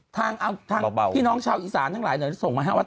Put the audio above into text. ทางพี่น้องชาวอีสานทั้งหลายส่งมาให้ว่า